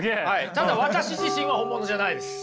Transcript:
ただ私自身は本物じゃないです。